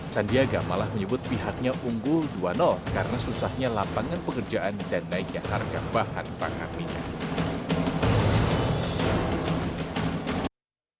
sandiaga malah menyebut pihaknya unggul dua karena susahnya lapangan pekerjaan dan naiknya harga bahan pangan minyak